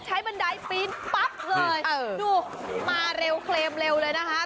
บันไดปีนปั๊บเลยดูมาเร็วเคลมเร็วเลยนะคะ